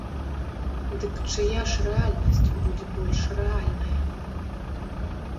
Дык чыя ж рэальнасць будзе больш рэальная?